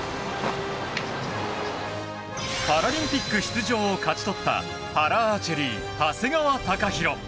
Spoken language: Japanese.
パラリンピック出場を勝ち取ったパラアーチェリー、長谷川貴大。